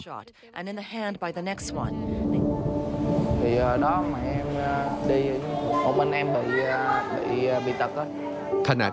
ขณะที่มรดกบาปจากสงคราม